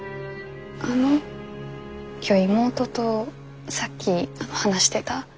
あの今日妹とさっき話してた。